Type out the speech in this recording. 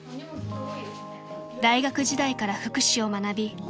［大学時代から福祉を学び